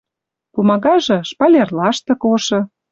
Пумагажы — шпалер лаштык ошы